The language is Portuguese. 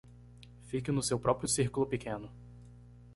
Fique no seu próprio círculo pequeno